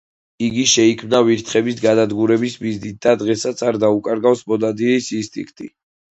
იგი შეიქმნა ვირთხების განადგურების მიზნით და დღესაც არ დაუკარგავს მონადირის ინსტინქტი.